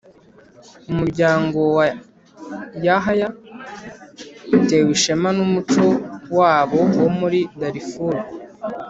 Umuryango wa Yahya utewe ishema n’ umuco wabo wo muri Darfur.